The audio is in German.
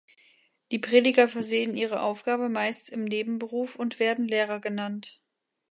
Die Prediger versehen ihre Aufgabe meist im Nebenberuf und werden "Lehrer" genannt.